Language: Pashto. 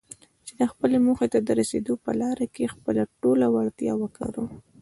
چې خپلې موخې ته د رسېدو په لاره کې خپله ټوله وړتيا وکاروم.